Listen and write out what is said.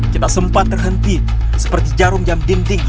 jika pakai masker bisa mati